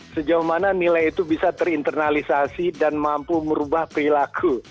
sejauh mana nilai itu bisa terinternalisasi dan mampu merubah perilaku